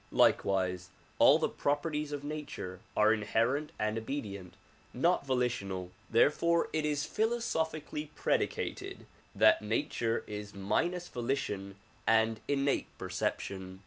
Like wise all the properties of nature are inherent and obedient, not volitional; therefore it is philosophically predicated that nature is minus volition and innate perception.